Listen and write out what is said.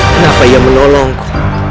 kenapa ia menolongku